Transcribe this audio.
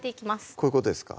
こういうことですか？